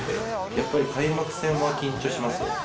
やっぱり開幕戦は緊張します。